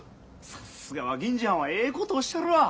さすがは銀次はんはええことおっしゃるわ！